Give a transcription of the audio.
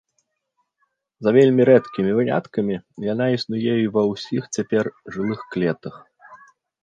За вельмі рэдкімі выняткамі яна існуе і ва ўсіх цяпер жылых клетак.